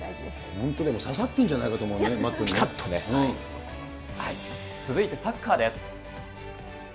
本当、刺さってんじゃないか続いてサッカーです。